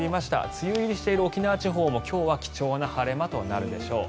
梅雨入りしている沖縄地方も今日は貴重な晴れ間となるでしょう。